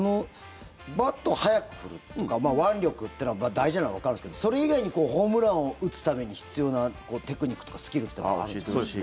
バットを速く振るとか腕力ってのが大事なのはわかるんですけど、それ以外にホームランを打つために必要なテクニックとかスキルってのもあるんですか？